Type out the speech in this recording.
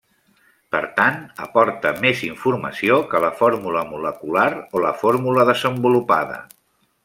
Per tant, aporta més informació que la fórmula molecular o la fórmula desenvolupada.